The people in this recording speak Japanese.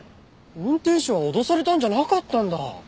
運転手は脅されたんじゃなかったんだ。